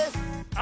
あ